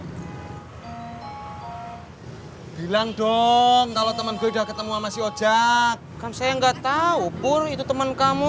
hai bilang dong kalau teman gue udah ketemu sama si ojak kan saya nggak tahu pur itu teman kamu